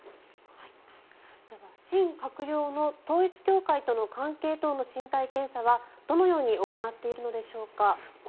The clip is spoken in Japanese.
新閣僚の統一教会関係等の身体検査はどのように行っているのでしょうか。